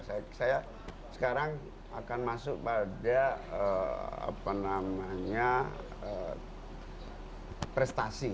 saya sekarang akan masuk pada prestasi